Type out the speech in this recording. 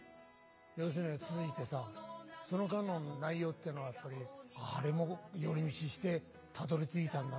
要するに続いてさその間の内容ってのはやっぱりあれも寄り道してたどりついたんだな